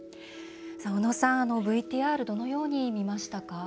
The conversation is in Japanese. おのさん、ＶＴＲどのように見ましたか。